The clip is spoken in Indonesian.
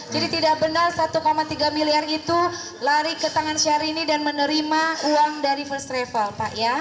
jadi tidak benar satu tiga miliar itu lari ke tangan syarini dan menerima uang dari first travel pak ya